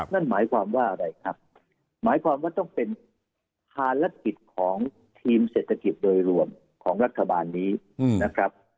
นั่นหมายความว่าอะไรครับหมายความว่าต้องเป็นภารกิจของทีมเศรษฐกิจโดยรวมของรัฐบาลนี้นะครับ